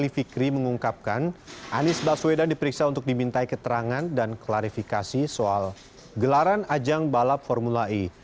fikri mengungkapkan anies baswedan diperiksa untuk dimintai keterangan dan klarifikasi soal gelaran ajang balap formula e